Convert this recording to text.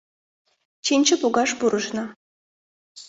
Чинче погаш пурышна.